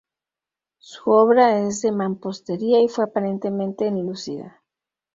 Su obra es de mampostería, y fue aparentemente enlucida.